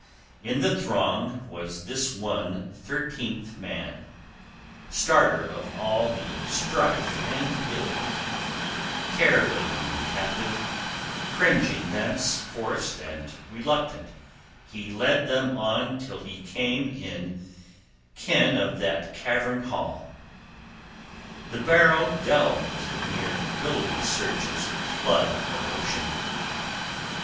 In the throng was this one thirteenth man, starter of all the strife and ill, care laden captive; cringing thence forced and reluctant, he led them on till he came in ken of that cavern hall, the barrow delved near billowy surges, flood of ocean.